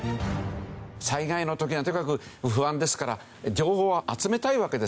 災害の時はとにかく不安ですから情報を集めたいわけですよね。